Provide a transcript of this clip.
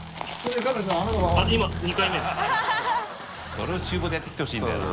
それを厨房でやって来てほしいんだよな。